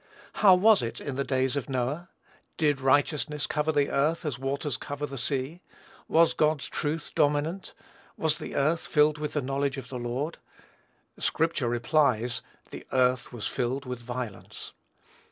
How was it in the days of Noah? Did righteousness cover the earth, as the waters cover the sea? Was God's truth dominant? Was the earth filled with the knowledge of the Lord? Scripture replies, "the earth was filled with violence."